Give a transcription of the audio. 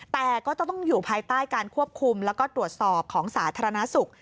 แต่ก็ต้องอยู่ภายใต้การควบคุมแล้วก็ตรวจสอบของสาธารณสุข